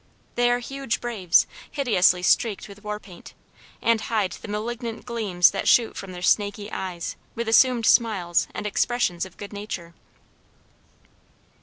They are huge braves, hideously streaked with war paint, and hide the malignant gleams that shoot from their snaky eyes with assumed smiles and expressions of good nature.